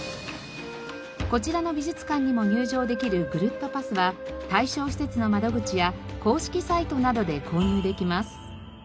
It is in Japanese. こちらの美術館にも入場できるぐるっとパスは対象施設の窓口や公式サイトなどで購入できます。